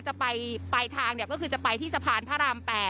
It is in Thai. จะไปปลายทางก็คือจะไปที่สะพานพระราม๘